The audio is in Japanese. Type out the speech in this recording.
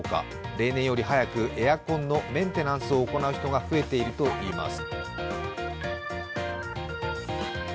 例年より早くエアコンのメンテナンスを行う人が増えているといいます。